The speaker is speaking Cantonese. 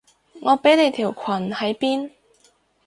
我畀你條裙喺邊？